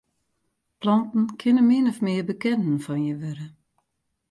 Planten kinne min of mear bekenden fan je wurde.